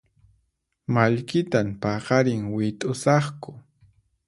Mallkitan paqarin wit'usaqku